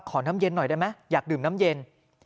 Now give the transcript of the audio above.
น้ำเย็นหน่อยได้ไหมอยากดื่มน้ำเย็น